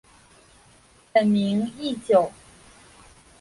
本名义久。